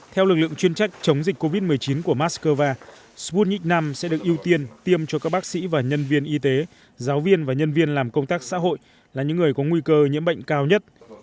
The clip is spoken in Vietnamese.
theo lực lượng chuyên trách chống dịch covid một mươi chín của moscow sputnik v sẽ được ưu tiên tiêm cho các bác sĩ và nhân viên y tế giáo viên và nhân viên làm công tác xã hội là những người có nguy cơ nhiễm bệnh cao nhất